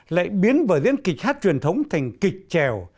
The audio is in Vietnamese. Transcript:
lại biến vở diễn kịch hát truyền thống thành kịch trèo